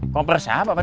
koper siapa pak